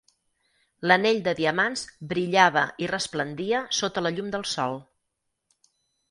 L"anell de diamants brillava i resplendia sota la llum del sol.